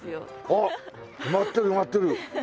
あっ埋まってる埋まってる！